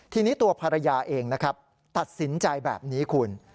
ทีนี้ตัวภรรยาเองนะครับตัดสินใจแบบนี้คุณ